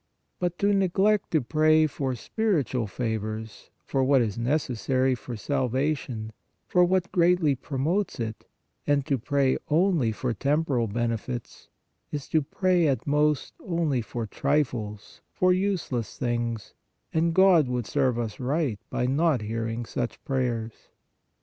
But to neglect to pray for spir itual favors, for what is necessary for salvation, for what greatly promotes it, and to pray only for temporal benefits is to pray, at most, only for trifles, for useless things, and God would serve us right by not hearing such prayers.